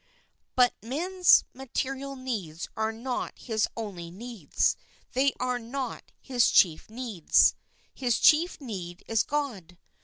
But man's material needs are not his only ? wp needs ; they are not his chief needs. His chief need is God.